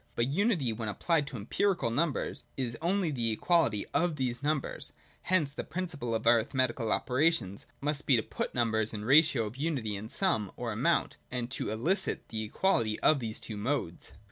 But Unity, when applied to empirical numbers, is only the equality of these numbers : hence the principle of arithmetical operations must be to put numbers in the ratio of Unity and Sum (or amount), and to elicit the equality of these two modes.